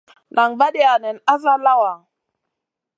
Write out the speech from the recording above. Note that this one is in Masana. Nan vaadia nen asa lawa.